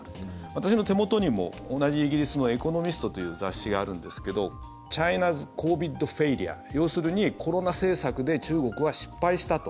私も手元にも同じイギリスの「エコノミスト」という雑誌があるんですけど「ＣＨＩＮＡ＊ＳＣＯＶＩＤＦＡＩＬＵＲＥ」要するにコロナ政策で中国は失敗したと。